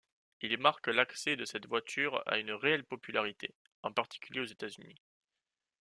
Il marque l'accès de cette voiture à une réelle popularité, en particulier aux États-Unis.